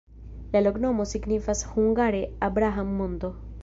La loknomo signifas hungare: Abraham-monto.